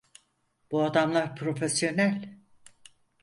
Bu adamlar profesyonel.